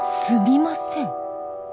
「すみません」？